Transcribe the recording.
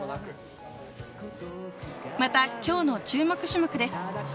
また、きょうの注目種目です。